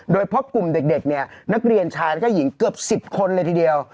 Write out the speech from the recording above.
โดยพบกลุ่มเด็กเนี่ยนักเรียนชายแล้วก็หญิงเกือบ๑๐คนเลยทีเดียว